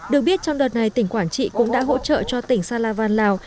được biết trong đợt này tỉnh quảng trị cũng đã hỗ trợ cho tỉnh salavan lào